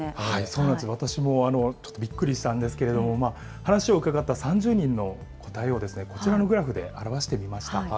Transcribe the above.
そうなんです、私もちょっとびっくりしたんですけれども、話を伺った３０人の答えを、こちらのグラフで表してみました。